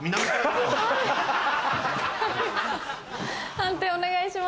判定お願いします。